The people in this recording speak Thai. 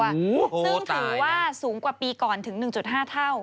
ซึ่งถือว่าสูงกว่าปีก่อนถึง๑๕เท่า